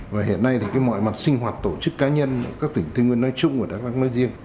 và hiện nay thì mọi mặt sinh hoạt tổ chức cá nhân các tỉnh tỉnh nguyên nói chung và các tỉnh nói riêng